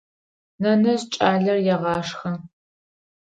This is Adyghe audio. Нэнэжъ кӏалэр егъашхэ.